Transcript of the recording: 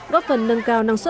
góp phần nâng cao năng suất